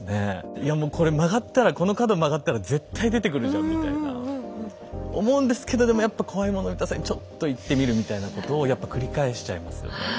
いやもうこれ曲がったらこの角曲がったら絶対出てくるじゃんみたいな思うんですけどでもやっぱ怖いもの見たさにちょっと行ってみるみたいなことをやっぱ繰り返しちゃいますよね。